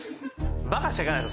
バカしか行かないです